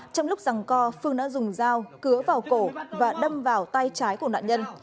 trong lúc giằng co phương đã dùng dao cửa vào cổ và đâm vào tay trái của nạn nhân